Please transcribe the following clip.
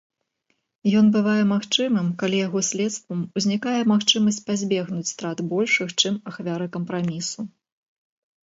Ён бывае магчымым, калі яго следствам узнікае магчымасць пазбегнуць страт большых, чым ахвяры кампрамісу.